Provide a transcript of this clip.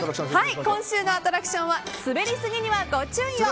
今週のアトラクションは滑りすぎにはご注意を！